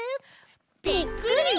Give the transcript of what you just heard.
ぴっくり！